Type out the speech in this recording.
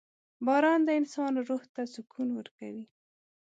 • باران د انسان روح ته سکون ورکوي.